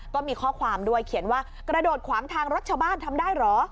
ก็มีข้อความด้วยเขียนว่ากระโดดขวางทางรถชาวบ้านทำได้เหรอ